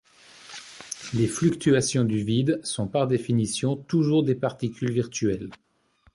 Les fluctuations du vide sont par définition toujours des particules virtuelles.